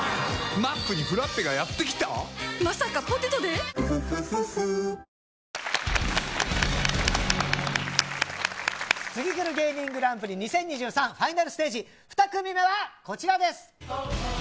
自然をおいしく楽しくカゴメカゴメツギクル芸人グランプリ２０２３ファイナルステージ２組目はこちらです。